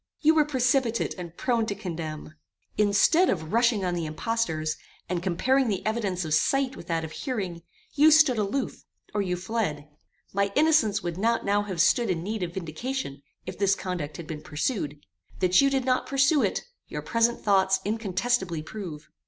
"You were precipitate and prone to condemn. Instead of rushing on the impostors, and comparing the evidence of sight with that of hearing, you stood aloof, or you fled. My innocence would not now have stood in need of vindication, if this conduct had been pursued. That you did not pursue it, your present thoughts incontestibly prove.